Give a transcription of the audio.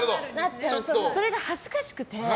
それが恥ずかしくて。